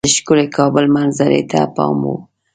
د ښکلي کابل منظرې ته پام وو.